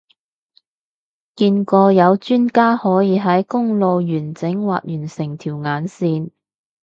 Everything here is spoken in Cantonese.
見過有專家可以喺公路完整畫完成條眼線